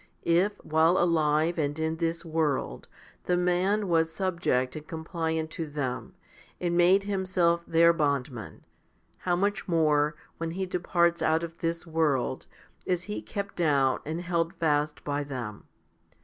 If, while alive and in this world, the man was subject and compliant to them, and made himself their bondman, how much more, when he departs out of this world, is he kept down and held fast by them.